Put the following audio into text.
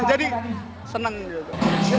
jadi seneng gitu